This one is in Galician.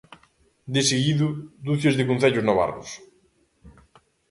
Deseguido, ducias de concellos navarros.